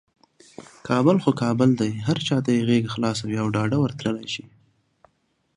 کابل خو کابل دی، هر چاته یې غیږه خلاصه وي او ډاده ورتللی شي.